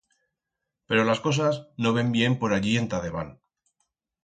Pero las cosas no ven bien por allí enta debant.